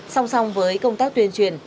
song song với công tác tuyên truyền